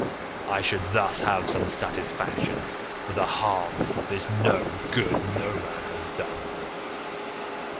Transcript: I should thus have some satisfaction for the harm this no good Noman has done me.